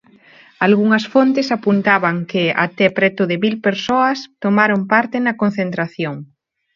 Algunhas fontes apuntaban que até preto de mil persoas tomaron parte na concentración.